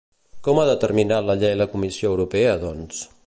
Com ha determinat la llei la Comissió Europea, doncs?